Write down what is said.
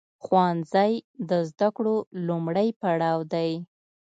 ښوونځی د زده کړو لومړی پړاو دی.